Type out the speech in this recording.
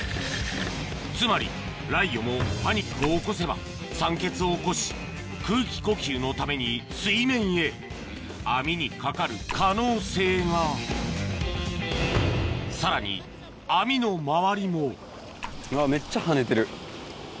つまりライギョもパニックを起こせば酸欠を起こし空気呼吸のために水面へ網にかかる可能性がさらに網の周りもめっちゃ跳ねてる。